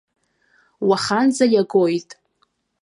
Уаханӡа иагоит!